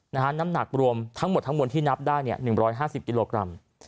น้ำหนักรวมทั้งหมดทั้งมวลที่นับได้เนี่ย๑๕๐กิโลกรัม